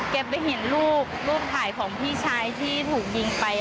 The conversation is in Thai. ไปเห็นรูปรูปถ่ายของพี่ชายที่ถูกยิงไป